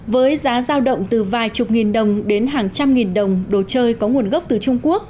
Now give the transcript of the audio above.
với giá giao động từ vài chục nghìn đồng đến hàng trăm nghìn đồng đồ chơi có nguồn gốc từ trung quốc